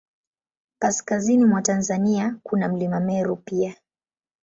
Kaskazini mwa Tanzania, kuna Mlima Meru pia.